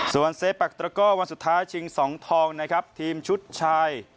ส่วนเซปักตระก้อวันสุดท้ายชิงสองทองนะครับทีมชุดชาย